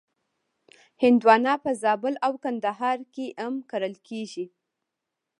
هندوانه په زابل او کندهار کې هم کرل کېږي.